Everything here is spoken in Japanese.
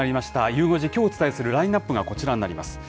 ゆう５時、きょうお伝えするラインナップがこちらになります。